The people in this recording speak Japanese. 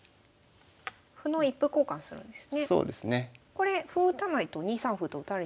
これ歩打たないと２三歩と打たれちゃうので。